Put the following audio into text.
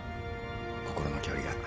心の距離が。